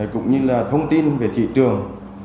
cũng như là thông tin về thị trường